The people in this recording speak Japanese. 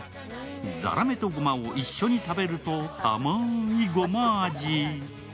ざらめとごまを一緒に食べると、甘いごま味。